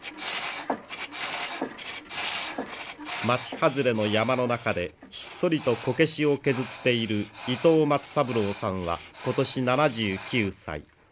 町外れの山の中でひっそりとこけしを削っている伊藤松三郎さんは今年７９歳。